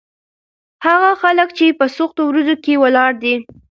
هغه خلک چې په سختو ورځو کې ولاړ دي.